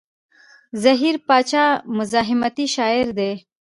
زهير باچا مزاحمتي شاعر دی.